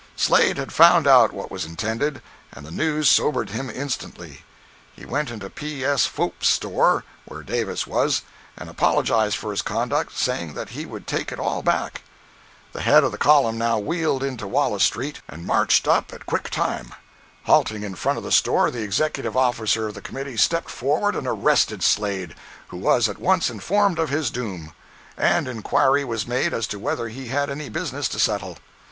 Slade had found out what was intended, and the news sobered him instantly. He went into P. S. Pfouts' store, where Davis was, and apologized for his conduct, saying that he would take it all back. The head of the column now wheeled into Wallace street and marched up at quick time. Halting in front of the store, the executive officer of the committee stepped forward and arrested Slade, who was at once informed of his doom, and inquiry was made as to whether he had any business to settle.